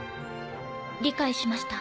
理解しました。